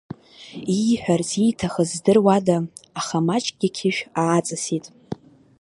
Ииҳәарц ииҭахыз здыруада, аха маҷк иқьышә ааҵысит.